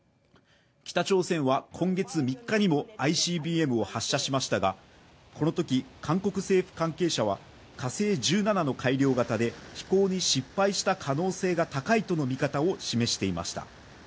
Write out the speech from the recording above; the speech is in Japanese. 北朝鮮は今月３日にもＩＣＢＭを発射しましたがこのとき、韓国政府関係者は、火星１７の改良型で飛行に失敗した可能性が高いとの見方を示していました。